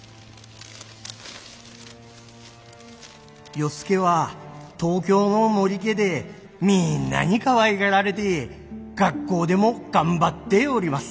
「与助は東京の母里家でみんなにかわいがられて学校でも頑張っております。